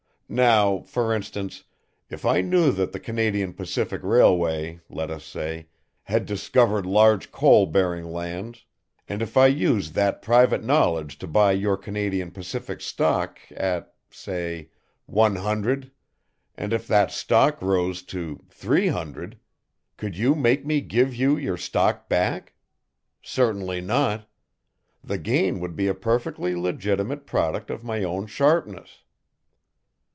Now, for instance, if I knew that the Canadian Pacific Railway, let us say, had discovered large coal bearing lands, and if I used that private knowledge to buy your Canadian Pacific stock at, say, one hundred, and if that stock rose to three hundred, could you make me give you your stock back? Certainly not. The gain would be a perfectly legitimate product of my own sharpness."